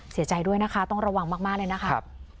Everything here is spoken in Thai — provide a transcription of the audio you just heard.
เสียใจด้วยนะคะต้องระวังมากเลยนะคะ